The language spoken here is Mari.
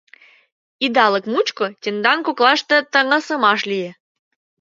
— Идалык мучко тендан коклаште таҥасымаш лие.